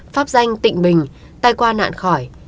pháp danh tịnh bình tai qua nạn khỏi